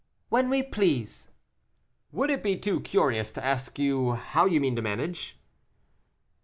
"When we please." "Would it be too curious to ask how you mean to manage?"